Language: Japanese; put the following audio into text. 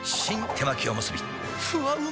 手巻おむすびふわうま